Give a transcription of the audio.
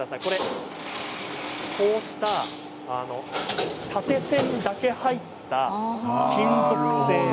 こうした縦線だけ入った金属製の。